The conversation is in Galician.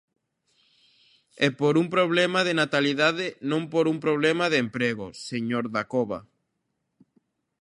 É por un problema de natalidade, non por un problema de emprego, señor Dacova.